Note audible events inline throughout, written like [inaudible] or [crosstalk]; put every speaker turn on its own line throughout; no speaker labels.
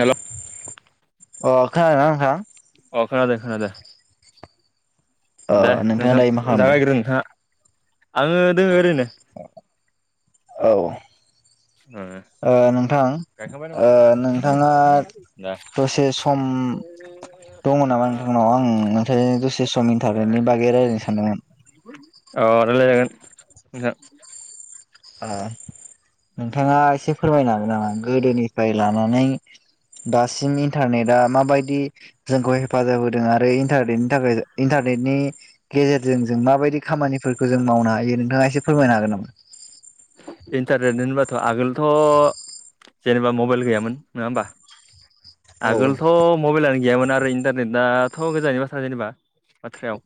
हेल'
अ खोनादोंना नोंथां
अ खोनादों खोनादों दे
ओ नोंथाङा
नोंथां
दायो मा खालामदों
जागायग्रो नोंथाङा आङो दोङ ओरैनो
औ
ओ
ओ नोंथां
गायखांबाय नामा
ओ नोंथाङा
दे
दसे सम दङ नामा नोंथांनाव आं नोंथ दसे समनि थाखायनि बागै रायज्लायनो सानदोंमोन
अ रायलायजागोन नोंथां
ओ नोंथाङा एसे फोरमायनो हागोन नामा गोदोनिफ्राय लानानै दासिम इन्टारनेटआ माबायदि जोंखौ हेफाजाब होदों आरो इन्टारनेटनि थाखाय इन्टारनेटनि गेजेरजों जों माबायदि खामानिफोरखौ जों मावनो हायो नोंथाङा एसे फोरमायनो हागोन नामा
इन्टारनेट होनबाथ' आगोलथ' जेनेबा मबाइल गैयामोन नङा होमबा
औ
आगोलथ' मबाइलानो गैयामोन आरो इन्टारनेटआथ' गोजाननि बाथ्रा जेनेबा बाथ्रायाव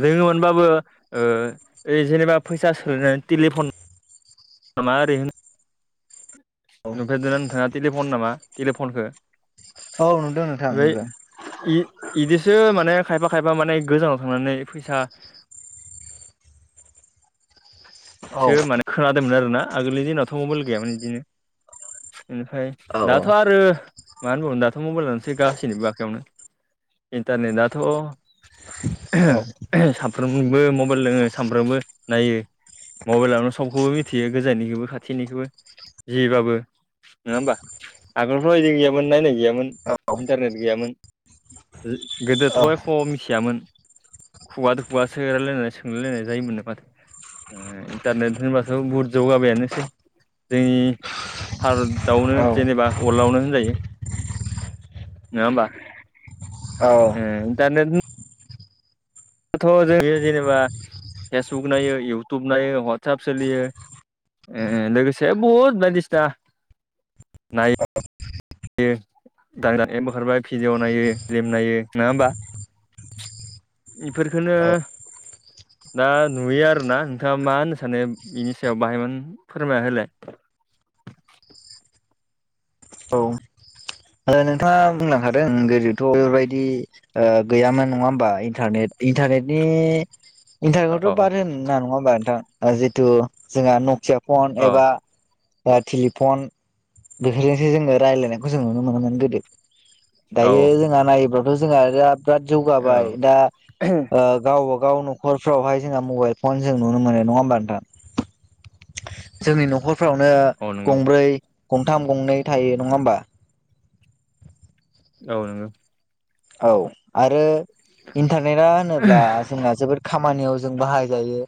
ओ जोङो होनबाबो ओ ओइ जेनेबा फैसा सोलना टेलिफन नामा ओरै होन नुफेरदोंना नोंथाङा टेलिफन नामा टेलिफनखौ
औ नुदों नोंथां नुदो।
इ-इदिसो माने खायफा खायफा माने गोजानाव थांनानै फैसा
औ
सो माने खोनादोंमोन आरोना आगोलनि दिनावथ' मबाइल गैयामोन बिदिनो इनिफ्राय
औ
दाथ' आरो मानो होनबावनो दाथ' मबाइलानोसै गासैनिबो बाख्रियावनो इन्टारनेटआथ'
औ
साफ्रोमबो मबाइल दोङो साफ्रोमबो नायो मबेलावनो सब समखोबो मिथियो गोजाननिखोबो खाथिनिखोबो जिबाबो नोङा ओमबा आगोलावफ्राव बिदि गैयामोन नायनाय गैयामोन।
औ
इन्टारनेट गैयामोन
औ
गोदोथ' एख' मिथियामोन। खुगादो खुगासो रायलायनानै सोंलायलायनाय जायोमोननो माथो। इन्टारनेट होनबाथ' बहुद जौगाबायानोसै जोंनि भारतआवनो जेनेबा वार्लडआवनो होनजायो नोङा ओमबा?
औ
ए इन्टारनेटनि दाथ' जोंङो जेनेबा फेसबुक नायो इउटुब नायो हाटसाप सोलियो ओ लोगोसे बहुद बायदिसिना, नाय दाग्रा एप ओंखारबाय भिडिअ नायो फ्लिम नायो नाङा ओमबा? इफोरफोरखोनो दा नुयो आरोना नोंथाङा मा होननो सानो बिनि सायाव बाहायमोन फोरमायना होलाय
नोंथाङा बुंलांखादों गोदोथ' बेफोरबायदि ओ गैयामोन नङा ओमबा इन्टारनेट इन्टारनेटनि इन्टारेखौथ'
अ
बाद होन ना नङा होमबा नोंथां जिथु जोंहा नकिया फन
अ
एबा टेलिफन बेफोरजोंसो जोङो रायजलायनायखौ जों नुनो मोन गोदो
औ
दायो जोंहा नायोबथ' जोंहा दा बिराद
औ
जौगाबाय दा ओ गावबा गाव नखरफ्रावहाय जोंङा मबाइल फन जों नुनो मोननाय नङा ओमबा नोंथां। जोंनि न'खरफ्रावनो
औ नंगौ
गंब्रै गंथाम गंनै थायो नङा ओमबा
औ नोंगो
औ आरो इन्टारनेटआ होनोब्ला जोंना जोबोद खामानियाव जों बाहायजायो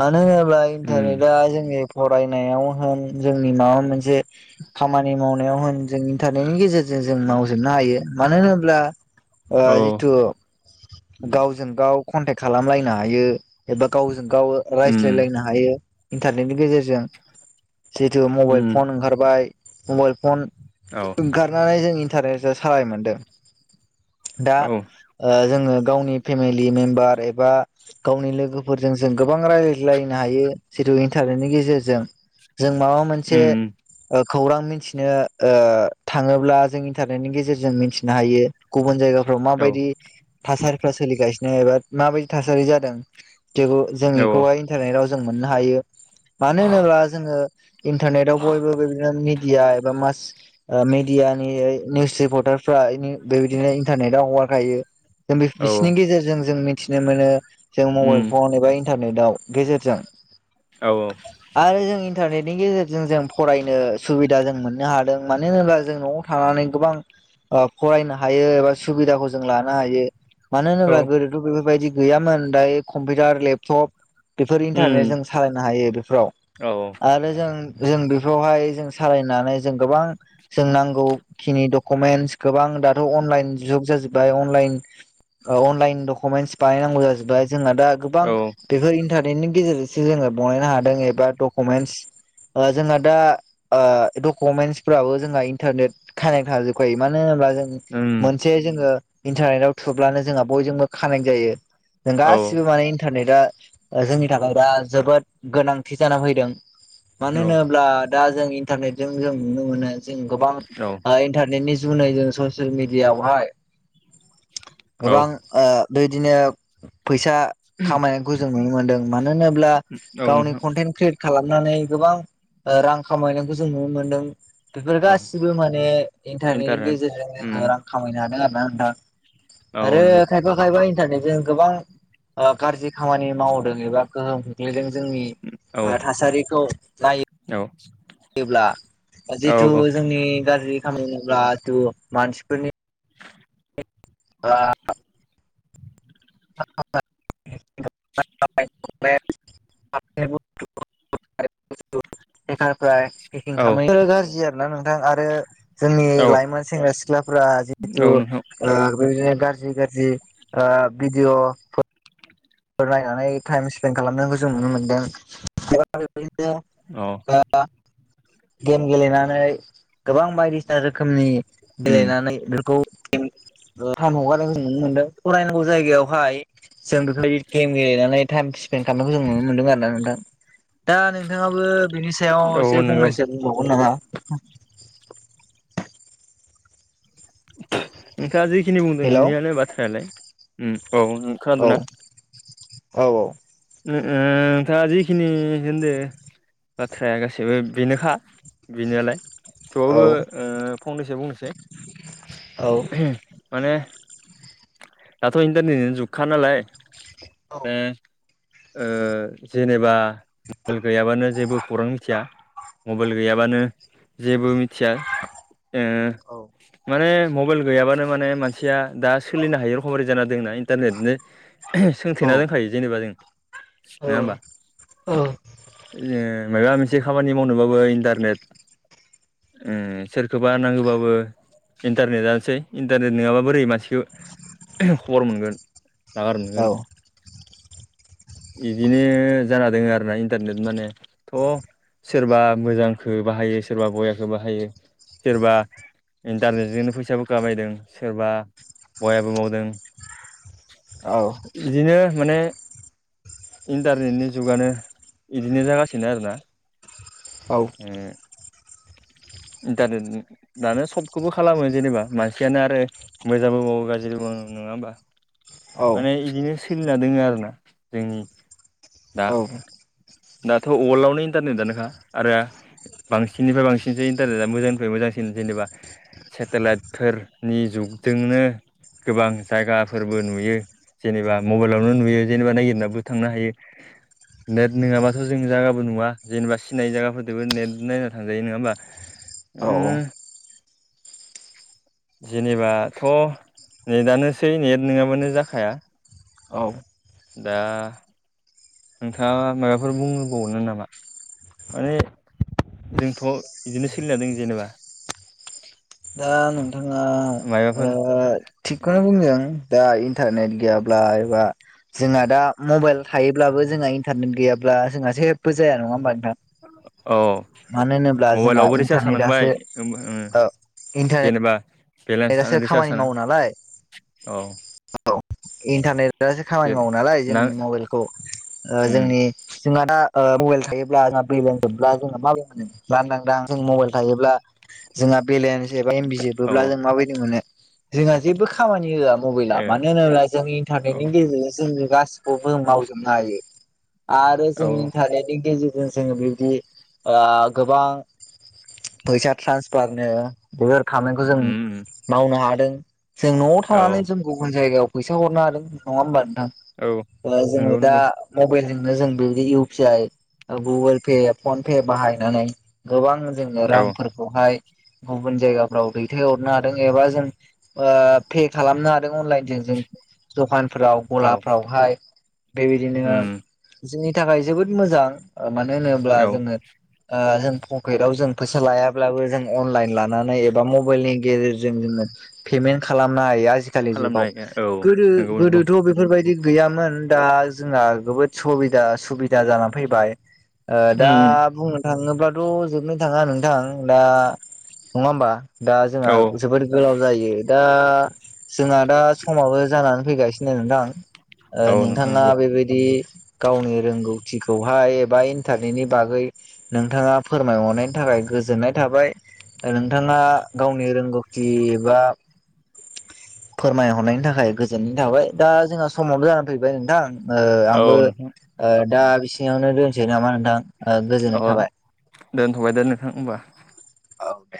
मानो होनोब्ला
उम
इन्टारनेटआ जोंनि फरायनायाव होन जोंनि माबा मोनसे खामानि मावनायाव होन जोंनि इन्टारनेटनि गेजेरजों जों मावजोबनो हायो मानो होनोब्ला ओ
औ
जितु गावजों गाव कन्टेक्ट खालामलायनो हायो एबा गावजों गाव
उम
रायज्लायलायनो हा हायो इन्टारनेटनि गेजेरजों जिहेतु मबाइल
उम
फन ओंखारबाय मबाइल फन
औ
ओंखारनानै जों इन्टारनेटजों सालाय मोनदों दा
औ
ओ जोङो गावनि फेमिलि मेम्बार एबा गावनि लोगोफोरजों जों गोबां रायलायलायनो हायो जितु इन्टारनेटनि गेजेरजों जों माबा मोनसे
उम
खौरां मिथिनो ओ थाङोब्ला जों इन्टारनेटनि गेजेरजों मिथिनो हायो। गुबुन जायगाफ्राव
औ
माबायदि थासारिफ्रा सोलिगासिनो एबा माबायदि थासारि जादों जों बेखौहाय
औ
इन्टारनेटआव जों मोननो हायो मानो होनोबा जोङो इन्टारनेटआव बयबो बेबादिनो मिडिया एबा मास मिडियानि निउस रिपर्टारफ्रा बेबायदिनो इन्टारनेटाव हगारखायो जों बिसोरनि गेजेरजों जों मिथिनो मोनो जों
उम
मबाइल फन एबा इन्टारनेटाव गेजेरजों
औ औ
आरो जों इन्टारनेटनि गेजेरजों जों फरायनो सुबिदा जों मोननो हादों। मानो होनोब्ला जों न'आव थानानै गोबां ओ फरायनो हायो एबा सुबिदाखौ जों लानो हायो मानो
औ
होनोब्ला गोदो बेफोरबायदि गैयामोन दायो कम्पिउटार लेपटप बेफोरनि
उम
थाखायनो जों सालायनो हायो बेफोराव।
औ।
आरो जों जों बेफोरावहाय जों सालायनानै जों गोबां जों नांगौखिनि डकुमेन्स गोबां दाथ' अनलाइन जुग जाजोब्बाय अनलाइन अनलाइन डकुमेन्टस बानायनांगौ जाजोबबाय जोंना दा
औ
गोबां बेफोर इन्टारनेटनि गेजेरजोंसो जोङो बनायनो हादों एबा डकुमेन्टस जोंहा दा डकुमेन्टसफोराबो जोंहा इन्टारनेट कानेक्ट थाजोबखायो। मानो होनोब्ला जों
ओं।
मोनसे जोङो इन्टारनेटाव थुब्लानो जोंहा बयजोंबो कानेक्ट जायो। जों
औ
गासिबो माने इन्टारनेटआ जोंनि थाखाय दा जोबोद गोनांथि जाना फैदों, मानो
औ
होनोब्ला? दा जों इन्टारनेट जों जों नुनो मोनो जों गोबां
औ
इन्टारनेटनि जुनै जों ससियेल मिडियावहाय गोबां
औ
बेदिनो फैसा खामायनायखौ जों नुनो मोनदों मानो होनोब्ला गावनि
नोंथां
कन्टेन्ट क्रियेट खालामनानै गोबां रां खामायनायखौ जों नुनो मोनदों। बेफोर
औ
गासिबो माने नि
इन्टारनेट
गेजेरजों जोङो
उम
रां खामायनो हादों आरो ना नोंथां,
औ
आरो
नंगौ
खायफा खायफा इन्टारनेट जों गोबां गाज्रि खामानि मावदों एबा गोहोम खोख्लैदों जोंनि
औ
थासारिखौ नाय
औ।
योब्ला जिथु
औ
जोंनि गाज्रि खामानि [unintelligible] मानसिफोरनि ओ [unintelligible] [unintelligible] गाज्रि
औ
आरोना नोंथां आरो जोंनि
औ
लाइमोन सेंग्रा सिख्लाफोरा जिहेतु
नोंथां
ओ बेदिनो गाज्रि गाज्रि भिडिअ फोर नायनानै टाइम स्पेन्ड खालामनायखौ जों नुनो मोन्दों एबा बेबायदिनो
औ।
ओ। गेम गेलेनानै गोबां बायदिसिना रोखोमनि
उम
गेलेनानै बेखौ [unintelligible] टाइम हगारनाय जों नुनो मोनदों फरायनांगौ जायगायावहाय जों बेफोरबायदि गेम गेलेनानै टाइम स्पेन्ड खालामनायखौ जों नुनो मोन्दों आरोना नोंथां। दा नोंथाङाबो बिनि सायाव
औ
एसे
नंगौ
फंनैसो बुंबावगोन नामा?
नोंथाङा जिखिनि बुंदों
हेलौ
बेनियानो बाथ्रायालाय औ खोनादों ना?
औ औ।
ओ ओम नोंथाङा जिखिनि होनदों बाथ्राया गासैबो बेनोखा बेनोलाय थेवबाबो
औ
ओ फंनैसो बुंनोसै।
औ
माने दाथ' इन्टारनेटनि जुगखा नालाय ओ ओ जेनेबा मबल गैयाबानो जेबो खौरां मिथिया। मबाइल गैयाबानो जेबो मिथिया ओ माने मबाइल गैयाबानो माने मानसिया दा सोलिनो हायो रखमै जाना दंना इन्टारनेटनो
औ
सोंथेना दोनखायो जेनेबा जों नङा होमबा?
औ
ओ माबा मोनसे खामानि मावनोबाबो इन्टारनेट ओम सोरखौबा नांगौबाबो इन्टारनेटानोसै इन्टारनेट नङाबा बोरै मानसिखौ खबर मोनगोन। नागार मोनगोन बिदिनो जाना दोङो आरोना इन्टारनेट माने। थ' सोरबा मोजांखौ बाहायो सोरबा बयाखौ बाहायो सोरबा इन्टारनेटजोंनो फैसाबो खामायदों सोरबा बयाबो मावदों।
औ।
बिदिनो माने इन्टारनेटनि जुगानो इदिनो जागासिनो आरोना।
औ।
इन्टारनेटनि दानो सबखौबो खालामो जेनेबा मानसियानो आरो मोजांबो मावो गाज्रिबो मावो नङा होमबा?
औ
माने इदिनो सोलिना दोङो आरोना जोंनि दा।
औ
दाथ' वर्ल्डआवनो इन्टारनेटआनोखा। आरो बांसिननिफ्राय बांसिनसो इन्टारनेटआ मोजांनिफ्राय मोजांसिन जेनेबा सेटेलाइटफोरनि जुगजोंनो गोबां जायगाफोरबो नुयो। जेनेबा मबाइलावनो नुयो जेनेबा नायगिरनाबो थांनो हायो। नेट नङाबाथ' जों जायगाबो नुआ जेनेबा सि सिनायि जायगाफोरदोबो नेट नायना थांजायो नङा होमबा?
औ [unintelligible]
जेनेबाथ' नेटआनोसै नेट नङाबानो जाखाया।
औ।
दा नोंथाङा माबाफोर बुंबावनो नामा? माने जोंथ' इदिनो सोलिना दों जेनेबा।
दा नोंथाङा ओ
माबाफोर
थिगखौनो बुंदों दा इन्टारनेट गैयाब्ला एबा जोंना दा मबाइल थायोब्लाबो जोंहा इन्टारनेट गैयाब्ला जोंहा जेबो जाया नङा होमबा नोंथां?
औ
मानो होनोब्ला जोंहा
मबाइलावबो रिसार्ज थानांबाय
इन्टारनेटआसो ओ इन्टारनेट
जेनेबा बेलेन्स थानो रिसार्ज थानो औ।
इन्टारनेटासो खामानि
जेरै
मावो नालाय
ना
जोंनि मबाइलखौ ओ जोंनि जोंहा दा ओ मबाइल थायोब्ला जोंहा बेलेन्स जोबब्ला जोंहा माबोरै मोनो लानदांदां जों मबाइल थायोब्ला जोंहा बेलेन्स एबा एम बि
औ
जोबोब्ला जों माबायदि मोनो जोंहा जेबो खामानि होआ। मबाइला
ए
मानो होनोब्ला जों
औ
इन्टारनेटनि गेजेरजों जों गासिखौबो मावजोबनो हायो। आरो
औ
जों इन्टारनेटनि गेजेरजों जोङो बेबायदि ओ गोबां फैसा ट्रान्सफारनो बेफोर खामानिखौ जों मावनो हादों जों न'आव
औ
थानानै जों गुबुन जायगायाव फैसा हरनो हादों नङा होमबा नोंथां?
औ
बा जोङो
नंगौ
दा
नंगौ
मबाइलजोंनो जों बेबायदि U P I Google Pay phone Pay बाहायनानै गोबां जोंनो रांफोरखौहाय गुबुन जायगाफ्राव दैथायहरनो हा जों एबा जों ओ पे खालामनो हादों अनलाइनजों। जों दखानफ्राव
औ
गलाफ्रावहाय। बेबायदिनो जोंनि थाखाय जोबोद मोजां मानो होनोब्ला
औ
जोङो ओ जों फ केटआव जों फैसा लायाब्लाबो जों अनलाइन लानानै एबा मबाइलनि गेजेर जों जोङो फेमेन्ट खालामनो हायो‌ आजि खालि
खालामनो
जुगाव।
हायो औ
गोदो
नंगौ नंगौ
गोदोथ' बे फोरबायदि गैयामोन दा जोंहा जोबोद सबिदा सुबिदा जानानै फैबाय। ओ दा
उम
बुंनो थाङोब्लाथ' जोबनो थाङा नोंथां दा नङा होमबा? दा जोंहा
औ
जोबोद गोलाव जायो दा जोंहा दा समाबो जानानै फैगासिनो नोंथां।
औ नोंथां
नोंथाङा
नंगौ
बेबायदि गावनि रोंगौथिखौहाय एबा इन्टारनेटनि बागै नोंथाङा फोरमायहरनायनि थाखाय गोजोननाय थाबाय। नोंथाङा गावनि रोंगौ बिबा फोरमायहरनायनि थाखाय गोजोननाय थाबाय दा जोंहा समाबो जानानै फैबाय नोंथां। ओ आंबो
औ नोंथां
ओ दा बिसिङावनो दोनसै नामा नोंथां ओ गोजोननाय थाबाय।
दोन्थ'बाय दे नोंथां होमबा।
औ दे।